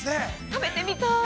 食べてみたい！